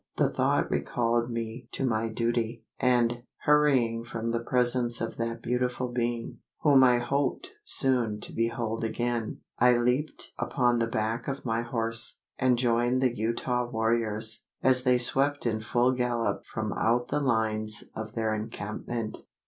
The thought recalled me to my duty; and, hurrying from the presence of that beautiful being whom I hoped soon to behold again I leaped upon the back of my horse; and joined the Utah warriors, as they swept in full gallop from out the lines of their encampment.